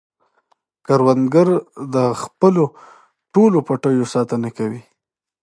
کروندګر د خپلو ټولو پټیو ساتنه کوي